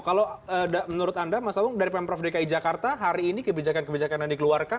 kalau menurut anda mas awung dari pemprov dki jakarta hari ini kebijakan kebijakan yang dikeluarkan